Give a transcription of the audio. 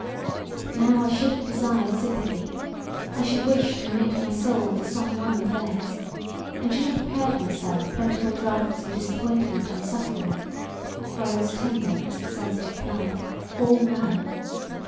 But now I should have desired sympathy; I should wish to knit my soul to some one of theirs, and should have prepared for myself plentiful draughts of disappointment and suffering; for I was tender as the sensitive plant, all nerve.